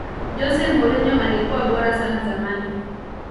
jose mourinho alikuwa bora sana zamani